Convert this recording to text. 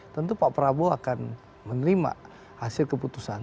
tentu pak prabowo akan menerima hasil keputusan